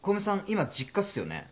今実家っすよね？